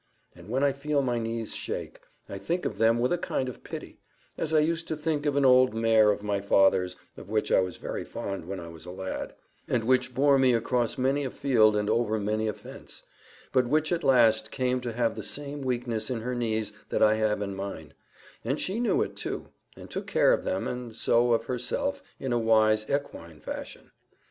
And when I feel my knees shake, I think of them with a kind of pity, as I used to think of an old mare of my father's of which I was very fond when I was a lad, and which bore me across many a field and over many a fence, but which at last came to have the same weakness in her knees that I have in mine; and she knew it too, and took care of them, and so of herself, in a wise equine fashion.